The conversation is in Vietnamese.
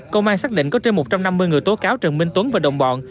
công an xác định có trên một trăm năm mươi người tố cáo trần minh tuấn và đồng bọn